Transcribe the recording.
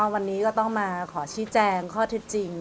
วันนี้ก็ต้องมาขอชี้แจงข้อเท็จจริง